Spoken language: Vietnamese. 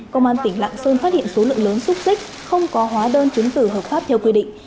công an tỉnh lạng sơn phát hiện số lượng lớn xúc xích không có hóa đơn chứng từ hợp pháp theo quy định